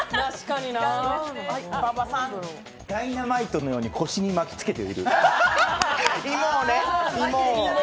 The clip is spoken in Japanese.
ダイナマイトのように腰に巻きつけて売る。